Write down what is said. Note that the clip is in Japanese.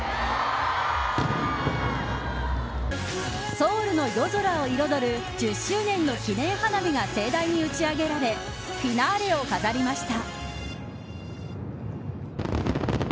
ソウルの夜空を彩る１０周年の記念花火が盛大に打ち上げられフィナーレを飾りました。